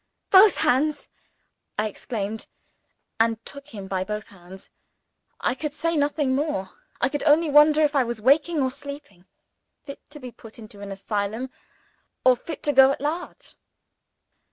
"Both hands!" I exclaimed and took him by both hands. I could say nothing more. I could only wonder whether I was waking or sleeping; fit to be put into an asylum, or fit to go at large?